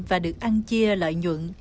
và được ăn chia lợi nhuận